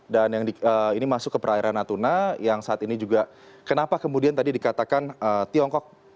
dan ini masuk ke perairan natuna yang saat ini juga kenapa kemudian tadi dikatakan tiongkok